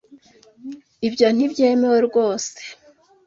Ibyo ntibyemewe rwose.